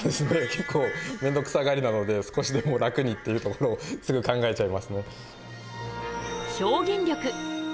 けっこう面倒くさがりなので少しでも楽にっていうところをすぐ考えちゃいますね。